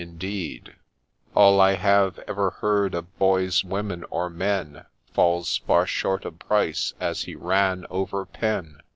— Indeed All I have ever heard of boys, women, or men, Falls far short of Pryce, as he ran over ' PEN